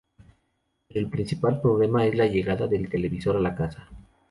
Pero el principal problema es la llegada del televisor a la casa.